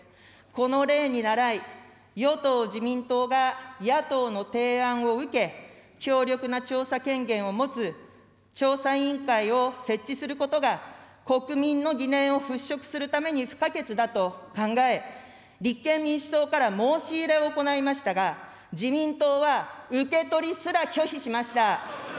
この例にならい、与党・自民党が野党の提案を受け、強力な調査権限を持つ調査委員会を設置することが、国民の疑念を払拭するために不可欠だと考え、立憲民主党から申し入れを行いましたが、自民党は受け取りすら拒否しました。